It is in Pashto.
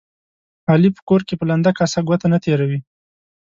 علي په کور کې په لنده کاسه ګوته نه تېروي.